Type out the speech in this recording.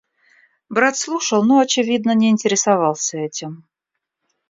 Брат слушал, но, очевидно, не интересовался этим.